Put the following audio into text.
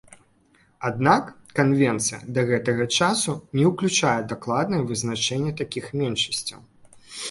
Аднак, канвенцыя да гэтага часу не ўключае дакладнае вызначэнне такіх меншасцяў.